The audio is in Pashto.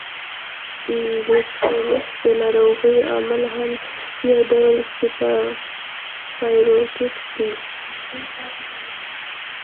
دوسفلیس د ناروغۍ عامل هم یو ډول سپایروکیټ دی.